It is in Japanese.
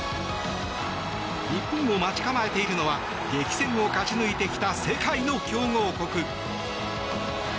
日本を待ち構えているのは激戦を勝ち抜いてきた世界の強豪国。